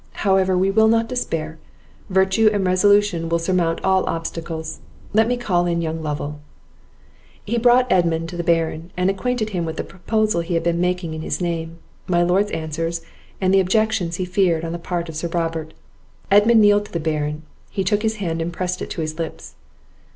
However, we will not despair; virtue and resolution will surmount all obstacles. Let me call in young Lovel." He brought Edmund to the Baron, and acquainted him with the proposal he had been making in his name, my Lord's answers, and the objections he feared on the part of Sir Robert. Edmund kneeled to the Baron; he took his hand and pressed it to his lips.